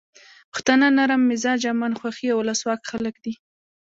پښتانه نرم مزاجه، امن خوښي او ولسواک خلک دي.